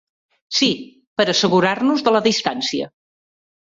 Sí, per assegurar-nos de la distància.